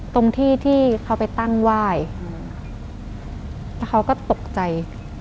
ตรงที่ที่เขาไปตั้งไหว้แล้วเขาก็ตกใจ